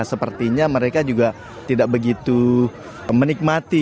sepertinya mereka juga tidak begitu menikmati